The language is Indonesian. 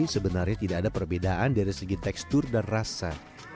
sebenarnya tidak ada perbedaan dari segi tekstur dan rasa